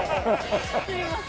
すみません。